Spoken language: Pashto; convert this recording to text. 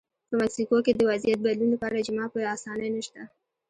په مکسیکو کې د وضعیت بدلون لپاره اجماع په اسانۍ نشته.